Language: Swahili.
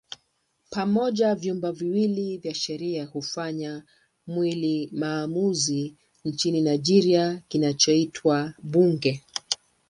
Pamoja vyumba viwili vya sheria hufanya mwili maamuzi nchini Nigeria kinachoitwa Bunge.